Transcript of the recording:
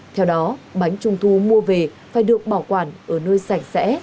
theo đó bánh trung thu mua về phải được bảo quản ở nơi sạch sẽ